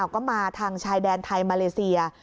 ก็มาทางชายแดนไทยมาเลเซีย